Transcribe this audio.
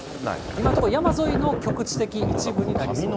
今のところ、山沿いの局地的、一部にはあります。